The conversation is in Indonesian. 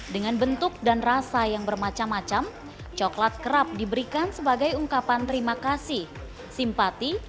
dengan bentuk dan rasa yang bermacam macam coklat kerap diberikan sebagai ungkapan terima kasih simpati